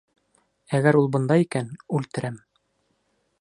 Әгәр ул бында икән, үлтерәм!